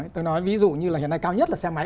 tôi nói ví dụ như là hiện nay cao nhất là xe máy